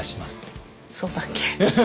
そうだっけ？